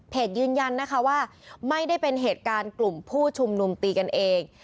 ยืนยันนะคะว่าไม่ได้เป็นเหตุการณ์กลุ่มผู้ชุมนุมตีกันเอง